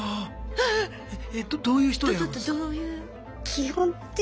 えっえっどういう人を選ぶんですか？